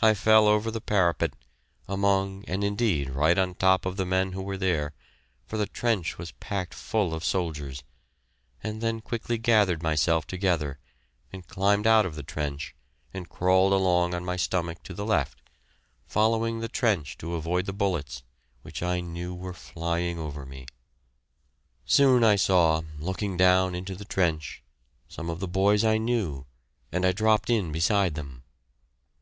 I fell over the parapet, among and indeed right on top of the men who were there, for the trench was packed full of soldiers, and then quickly gathered myself together and climbed out of the trench and crawled along on my stomach to the left, following the trench to avoid the bullets, which I knew were flying over me. Soon I saw, looking down into the trench, some of the boys I knew, and I dropped in beside them.